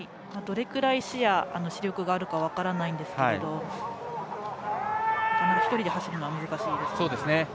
どれくらい視野、視力があるかは分からないんですけれど１人で走るのは難しいですね。